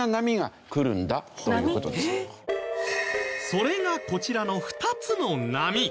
それがこちらの２つの波。